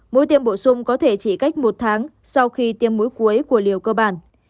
mũi tiêm bổ sung có thể chỉ cách một tháng sau khi tiêm mũi cuối của liều cơ bản